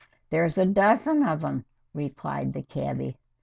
"There's a dozen of 'em," replied the cabby.